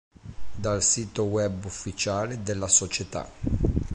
Dal sito web ufficiale della società.